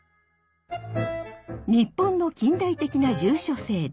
日本の近代的な住所制度。